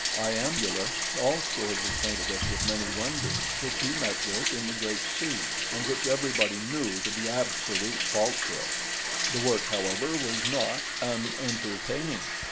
Iambulus also has acquainted us with many wonders which he met with in the great sea, and which everybody knew to be absolute falsehoods: the work, however, was not unentertaining.